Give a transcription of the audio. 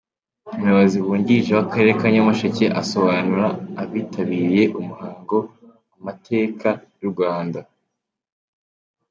Umuyobozi wungiririje w’akarere ka Nyamasheke asobanurira abitabiriye umuhango amateka y’u Rwanda.